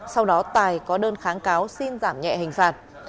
sau đó tài có đơn kháng cáo xin giảm nhẹ hình phạt